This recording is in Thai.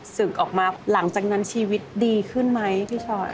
ศึกออกมาหลังจากนั้นชีวิตดีขึ้นไหมพี่ชอย